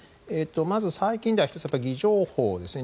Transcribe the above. まず最近では１つ、偽情報ですね。